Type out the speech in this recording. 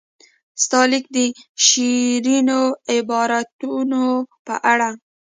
ستا لیک د شیرینو عباراتو په اړه.